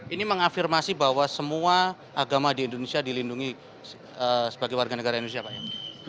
ini mengafirmasi bahwa semua agama di indonesia dilindungi sebagai warga negara indonesia pak ya